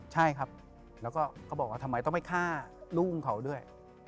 ใช่ครับแล้วก็เขาบอกว่าทำไมต้องไปฆ่าลูกเขาด้วย